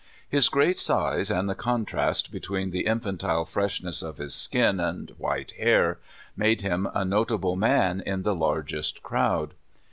His great size, and the contrast between the infan tile freshness of his skin and white hair, made him a notable man in the largest crowd.